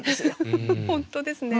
本当ですね。